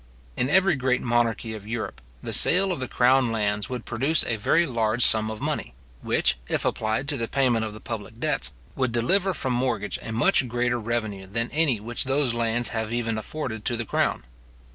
In every great monarchy of Europe, the sale of the crown lands would produce a very large sum of money, which, if applied to the payment of the public debts, would deliver from mortgage a much greater revenue than any which those lands have ever afforded to the crown.